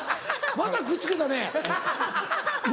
またくっつけたね。